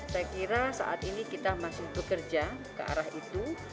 saya kira saat ini kita masih bekerja ke arah itu